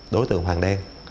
đối tượng hoàng đen